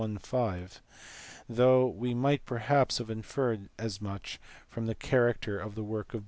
5 ; though we might perhaps have inferred as much from the character of the work of Boethius.